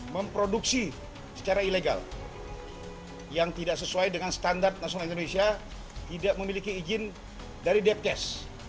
memproduksi secara ilegal yang tidak sesuai dengan standar nasional indonesia tidak memiliki izin dari depkes